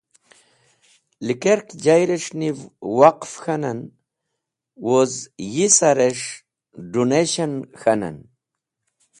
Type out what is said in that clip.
Likerkẽ jayẽrẽs̃h niv “waqẽf” k̃hanẽn woz yisarẽs̃h d̃unashan k̃hanẽn.